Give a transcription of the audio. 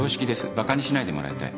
バカにしないでもらいたい。